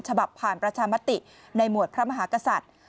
ฉบับผ่านประชามติในหมวดพระมหากษัตริย์